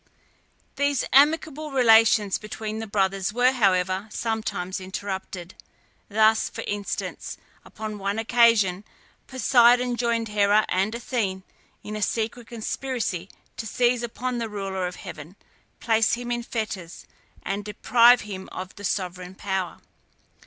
These amicable relations between the brothers were, however, sometimes interrupted. Thus, for instance, upon one occasion Poseidon joined Hera and Athene in a secret conspiracy to seize upon the ruler of heaven, place him in fetters, and deprive him of the sovereign power.